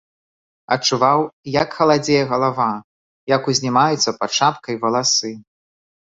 Адчуваў, як халадзее галава, як узнімаюцца пад шапкай валасы.